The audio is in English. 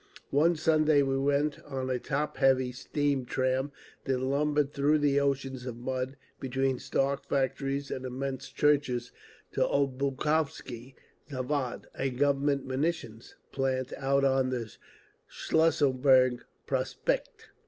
One Sunday we went, on a top heavy steam tram that lumbered through oceans of mud, between stark factories and immense churches, to Obukhovsky Zavod, a Government munitions plant out on the Schlüsselburg Prospekt.